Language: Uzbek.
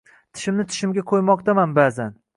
Tishimni tishimga qo‘ymoqdaman ba’zan.